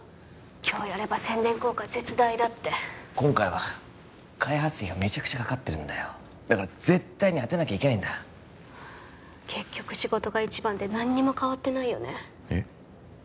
今日やれば宣伝効果絶大だって今回は開発費がめちゃくちゃかかってるんだよだから絶対に当てなきゃいけないんだ結局仕事が一番で何にも変わってないよねえっ？